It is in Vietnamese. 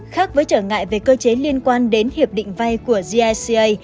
khác với trở ngại về cơ chế liên quan đến hiệp định vay của gica